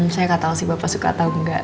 saya nggak tahu si bapak suka atau nggak